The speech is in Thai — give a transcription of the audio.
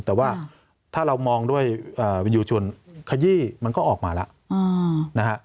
แต่ว่าถ้าเรามองด้วยวิญโยชนขยี้มันก็ออกมาแล้วนะฮะ